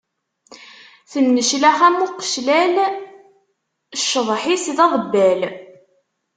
Tenneclax am uqeclal, cceḍḥ-is d aḍebbal.